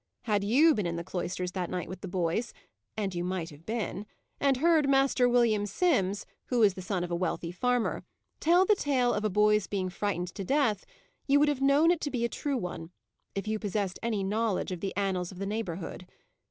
Had you been in the cloisters that night with the boys and you might have been and heard Master William Simms, who was the son of a wealthy farmer, tell the tale of a boy's being frightened to death, you would have known it to be a true one, if you possessed any knowledge of the annals of the neighbourhood.